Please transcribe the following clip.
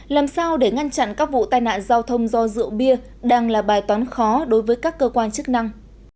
làm sao để ngăn chặn các vụ tai nạn giao thông do rượu bia đang là bài toán khó đối với các cơ quan chức năng